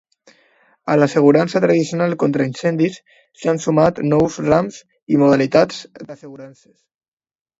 A l'assegurança tradicional contra incendis s'han sumat nous rams i modalitats d'assegurances.